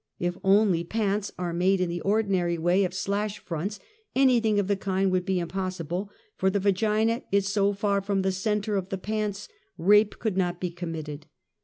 If only pants are made in the ordinary way of slash fronts, anything of the kind would be impossible, for the vagina is so far from ' Ithe centre of the pants rape could not be committed.